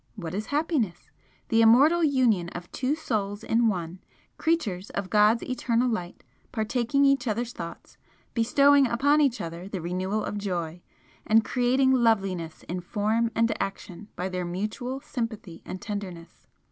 What is Happiness? The immortal union of two Souls in one, creatures of God's eternal light, partaking each other's thoughts, bestowing upon each other the renewal of joy, and creating loveliness in form and action by their mutual sympathy and tenderness.